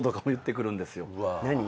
何？